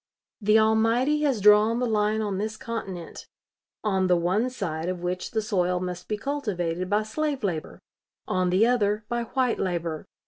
The Almighty has drawn the line on this continent, on the one side of which the soil must be cultivated by slave labor; on the other by white labor.